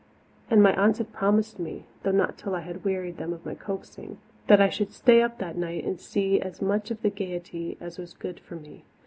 And my aunts had promised me though not till I had wearied them of my coaxing that I should stay up that night and see as much of the gaiety as was good for me.